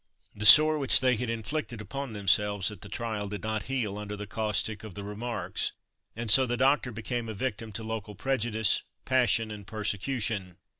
The sore which they had inflicted upon themselves at the trial did not heal under the caustic of the "Remarks"; and so the doctor became a victim to local prejudice, passion, and persecution.